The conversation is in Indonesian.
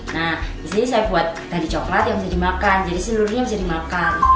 nah disini saya buat tadi coklat yang bisa dimakan jadi seluruhnya bisa dimakan